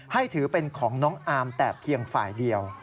ถือเป็นของน้องอามแต่เพียงฝ่ายเดียว